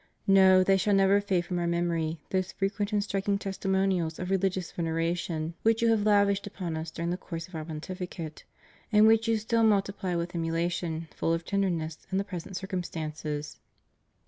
No, they shall never fade from Our memory, those fre quent and striking testimonials of religious veneration which you have lavished upon Us during the course of Our Pontificate, and which you still multiply with emula tion full of tenderness in the present circumstances.